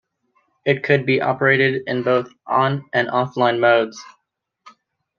It could be operated in both on- and off-line modes.